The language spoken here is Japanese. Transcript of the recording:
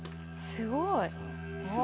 すごい。